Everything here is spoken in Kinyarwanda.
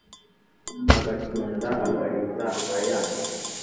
agacúnda agahita ayánywa